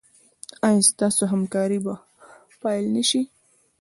ایا ستاسو همکاري به پیل نه شي؟